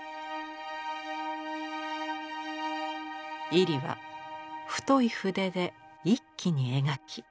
位里は太い筆で一気に描き。